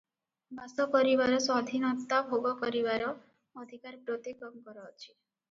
ବାସ କରିବାର ସ୍ୱାଧୀନତା ଭୋଗ କରିବାର ଅଧିକାର ପ୍ରତ୍ୟେକଙ୍କର ଅଛି ।